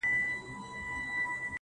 د ژوند دوران ته دي کتلي گراني ؟